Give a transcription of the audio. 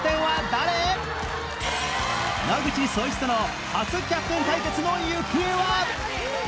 野口聡一との初キャプテン対決の行方は